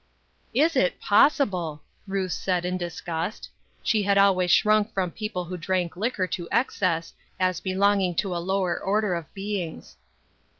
" Is it possible ?" Ruth said, in disgust. She had always shrunk from people who drank liquor to excess, as belonging to a lower order of beings.